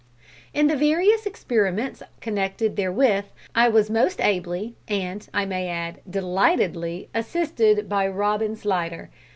In the various experiments connected therewith I was most ably, and, I may add, delightedly, assisted by Robin Slidder.